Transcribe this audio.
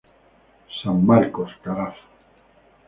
San Marcos, Carazo.